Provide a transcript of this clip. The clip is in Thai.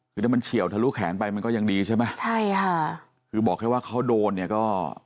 คือถ้ามันเฉียวทะลุแขนไปมันก็ยังดีใช่ไหมใช่ค่ะคือบอกแค่ว่าเขาโดนเนี่ยก็